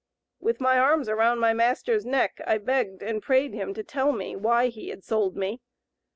With my arms around my master's neck, I begged and prayed him to tell me why he had sold me.